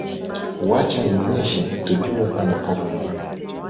Wacha inyeshe tujue panapovuja.